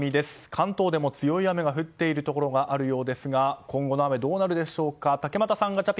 関東でも強い雨が降っているところがあるようですが今後の雨はどうなるでしょうか。